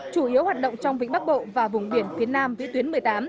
chủ yếu hoạt động trong vĩnh bắc bộ và vùng biển phía nam vĩ tuyến một mươi tám